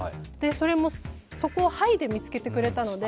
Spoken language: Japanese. それも底をはいで見つけてくれたので。